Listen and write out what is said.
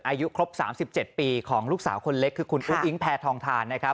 อายุครบ๓๗ปีของลูกสาวคนเล็กคือคุณอุลอิงแพท้ทาน